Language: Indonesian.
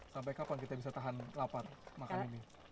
sampai kapan kita bisa tahan lapar makan ini